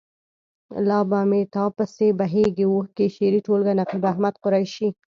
لا به مې تا پسې بهیږي اوښکې. شعري ټولګه. نقيب احمد قریشي.